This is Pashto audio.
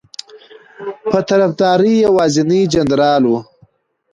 په طرفداری یوازینی جنرال ؤ